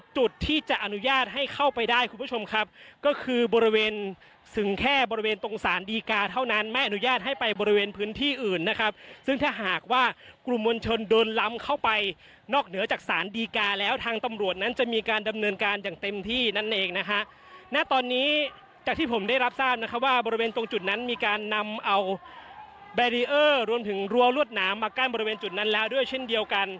จุดที่จะอนุญาตให้เข้าไปได้คุณผู้ชมครับก็คือบริเวณซึ่งแค่บริเวณตรงศาลดีกาเท่านั้นไม่อนุญาตให้ไปบริเวณพื้นที่อื่นนะครับซึ่งถ้าหากว่ากลุ่มวลชนโดนล้ำเข้าไปนอกเหนือจากศาลดีกาแล้วทางตำรวจนั้นจะมีการดำเนินการอย่างเต็มที่นั่นเองนะฮะณตอนนี้จากที่ผมได้รับทราบนะครับว่าบริเ